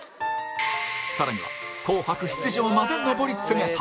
更には『紅白』出場まで上り詰めた